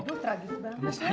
aduh tragis banget